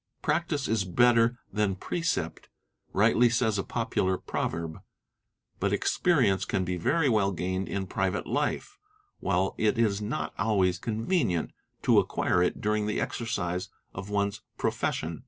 'Practice is better than precept,' rightly says a popular proverb. But experience can be very well gained in private life, while it | is not always convenient to acquire it during the exercise of one's pro — fession.